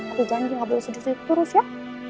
aku janji gak boleh sedih sedih terus ya